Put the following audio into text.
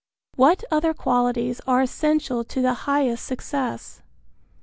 What other qualities are essential to the highest success?